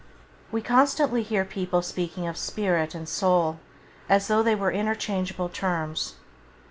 We constantly hear people speaking of spirit and soul as though they were interchangeable terms.